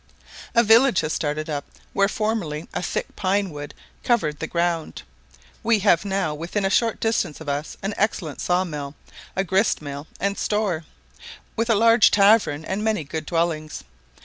A village has started up where formerly a thick pine wood covered the ground; we have now within a short distance of us an excellent saw mill, a grist mill, and store, with a large tavern and many good dwellings.